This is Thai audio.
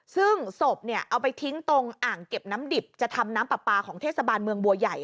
ซึ่งศพเนี่ยเอาไปทิ้งตรงอ่างเก็บน้ำดิบจะทำน้ำปลาปลาของเทศบาลเมืองบัวใหญ่